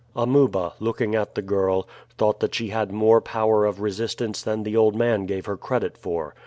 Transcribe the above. Amuba, looking at the girl, thought that she had more power of resistance than the old man gave her credit for.